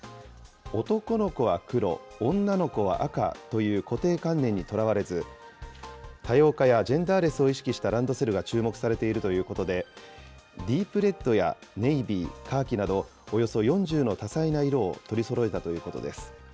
男の子は黒、女の子は赤という固定観念にとらわれず、多様化やジェンダーレスを意識したランドセルが注目されているということで、ディープレッドやネイビー、カーキなど、およそ４０の多彩な色を取りそろえたということです。